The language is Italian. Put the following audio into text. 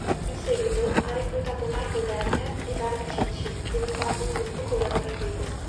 In seguito, ha reclutato Michael Lerner e Darby Cicci, diventando un gruppo collaborativo.